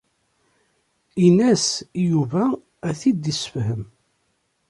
Ini-as i Yuba ad t-id-yessefhem.